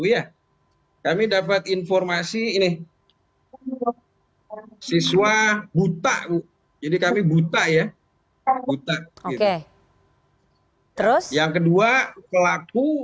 ya kami dapat informasi ini siswa buta jadi kami buta ya buta terus yang kedua pelaku